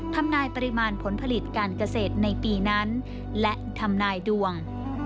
ทำนายปริมาณผลผลิตการเกษตรในปีนั้นและทำนายดวง